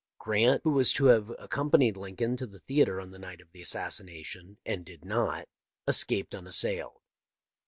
Grant, who was to have accompanied Lincoln to the theatre on the night of the assassination, and did not, escaped unassailed.